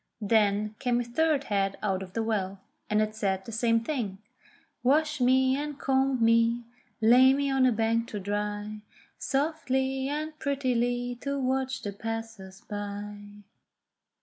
Then came a third head out of the well, and it said the same thing : "Wash me, and comb me, lay me on a bank to dry Softly and prettily to watch the passers by."